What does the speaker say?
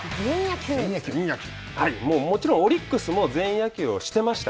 もちろんオリックスも全員野球をしていました。